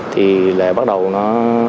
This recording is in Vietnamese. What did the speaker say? thì lại bắt đầu nó